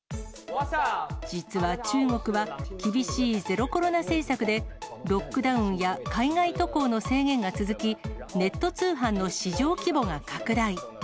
実は中国は、厳しいゼロコロナ政策で、ロックダウンや海外渡航の制限が続き、ネット通販の市場規模が拡大。